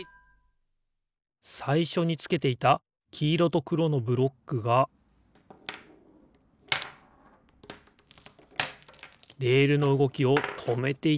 さいしょにつけていたきいろとくろのブロックがレールのうごきをとめていたんですね。